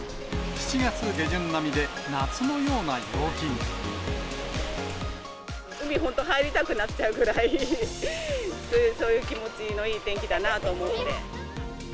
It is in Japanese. ７月下旬並みで、夏のような陽気海、本当、入りたくなっちゃうぐらい、そういう気持ちいい天気だなと思って。